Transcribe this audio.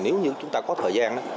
nếu như chúng ta có thời gian